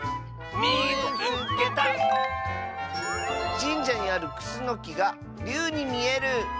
「じんじゃにあるくすのきがりゅうにみえる」。